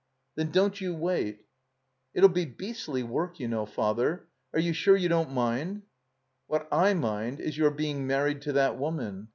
"Then don't you wait." ''It 'II be beastly work, you know. Father. Are you sure you don't mind?" "What I mind is your being married to that woman.